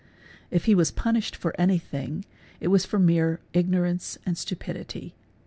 If he was punished for anything it was for mere ignorance and stupidity.